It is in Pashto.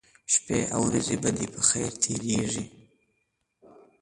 شپې ورځې به دې په خیر تیریږي